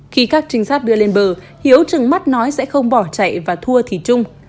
khi các trinh sát đưa lên bờ hiếu từng mắt nói sẽ không bỏ chạy và thua thì chung